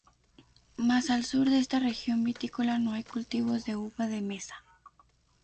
Más al sur de esta región vitícola no hay cultivos de uva de mesa.